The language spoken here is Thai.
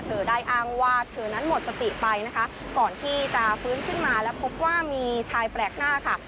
เธอได้อ้างว่าเธอนั้นหมดสติไปนะคะก่อนที่จะฟื้นขึ้นมาแล้วพบว่ามีชายแปลกหน้าค่ะ